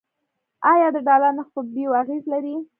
آیا د ډالر نرخ په بیو اغیز لري؟